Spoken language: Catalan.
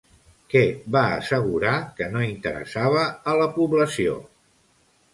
Què va assegurar que no interessava a la població?